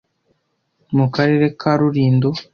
Mu karere ka Rulindo